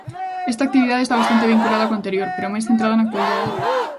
Esta actividade está bastante vinculada coa anterior, pero máis centrada na actualidade.